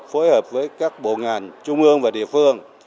phối hợp với các bộ ngành trung ương và địa phương